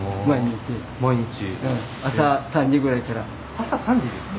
朝３時ですか？